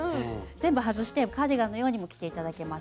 全部外してカーディガンのようにも着て頂けますし。